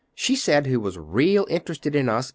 She said he was real interested in us.